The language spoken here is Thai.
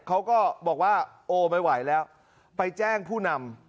เขาก็บอกว่าโอ้ไม่ไหวแล้วไปแจ้งผู้นำ